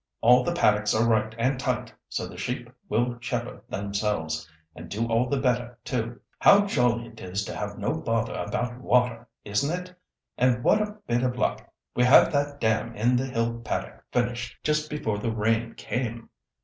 All the paddocks are right and tight, so the sheep will shepherd themselves, and do all the better, too. How jolly it is to have no bother about water, isn't it? And what a bit of luck we had that dam in the hill paddock finished just before the rain came."